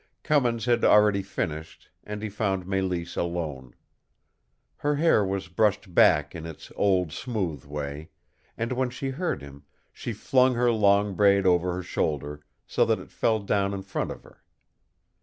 Cummins had already finished, and he found Mélisse alone. Her hair was brushed back in its old, smooth way; and when she heard him, she flung her long braid over her shoulder, so that it fell down in front of her.